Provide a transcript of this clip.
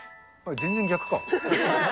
全然逆か。